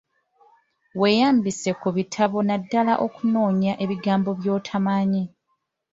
Weeyambise ku bitabo naddala okunoonya ebigambo by'otamanyi.